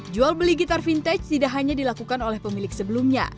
jual beli gitar vintage tidak hanya dilakukan oleh pemilik sebelumnya